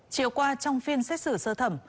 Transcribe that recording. chiều qua trong phiên xét xử sơ thẩm